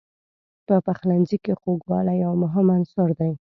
په پخلنځي کې خوږوالی یو مهم عنصر دی.